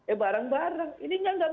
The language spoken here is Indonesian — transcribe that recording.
eh barang barang ini enggak